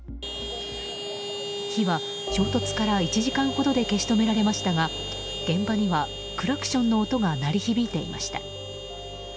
火は、衝突から１時間ほどで消し止められましたが現場にはクラクションの音が鳴り響いていました。